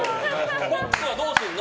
フォックスはどうするの？